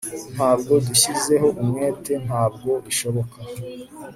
Nubwo dushyizeho umwete ntabwo bishoboka